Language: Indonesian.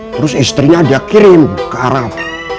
terus istrinya dia kirim ke arab